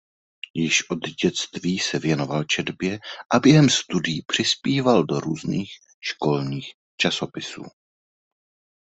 Již od dětství se věnoval četbě a během studií přispíval do různých školních časopisů.